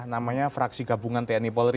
namanya fraksi gabungan tni polri